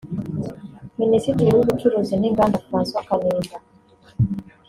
Minisitiri w’ubucuruzi n’Inganda François Kanimba